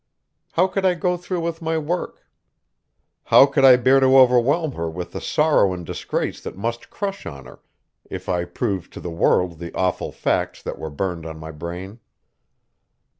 How could I go through with my work? How could I bear to overwhelm her with the sorrow and disgrace that must crush on her if I proved to the world the awful facts that were burned on my brain?